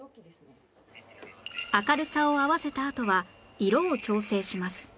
明るさを合わせたあとは色を調整します